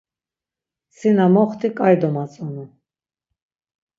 Si na moxti ǩai domatzonu.